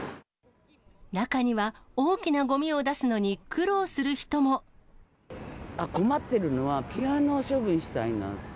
中には大きなごみを出すのに困ってるのは、ピアノを処分したいな。